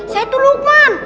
saya itu lukman